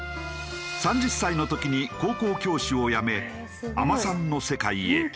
３０歳の時に高校教師を辞め海女さんの世界へ。